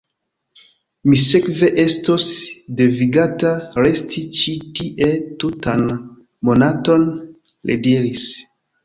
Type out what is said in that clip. Mi sekve estos devigata resti ĉi tie tutan monaton? li diris.